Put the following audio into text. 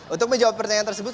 untuk menjawab pertanyaan tersebut